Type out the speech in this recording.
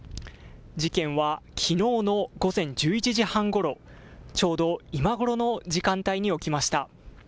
事件はきのうの午前１１時半ごろ、ちょうど今頃の時間帯に起きました。